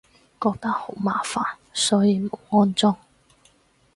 覺得好麻煩，所以冇安裝